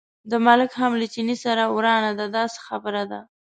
د ملک هم له چیني سره ورانه ده، دا څه خبره ده.